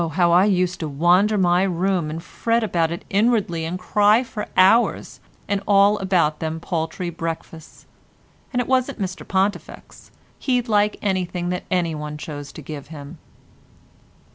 how I used to wander my room and fret about it inwardly and cry for hours, and all about them paltry breakfasts—and it wasn't Mr Pontifex; he'd like anything that anyone chose to give him.